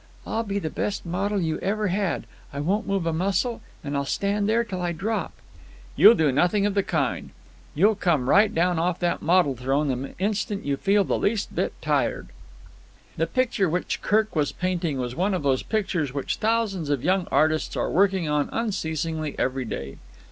I'll be the best model you ever had. I won't move a muscle, and I'll stand there till I drop." "You'll do nothing of the kind. You'll come right down off that model throne the instant you feel the least bit tired." The picture which Kirk was painting was one of those pictures which thousands of young artists are working on unceasingly every day.